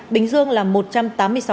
bình dương là một trăm tám mươi sáu ca